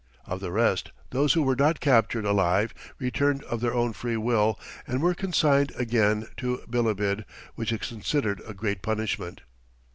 Of the rest, those who were not captured alive returned of their own free will and were consigned again to Bilibid, which is considered a great punishment.